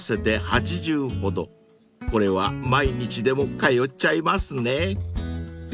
［これは毎日でも通っちゃいますね］